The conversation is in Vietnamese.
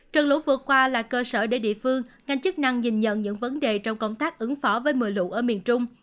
trần lũ vượt qua là cơ sở để địa phương ngành chức năng nhìn nhận những vấn đề trong công tác ứng phỏ với mưa lũ ở miền trung